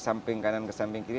kesamping kanan kesamping kiri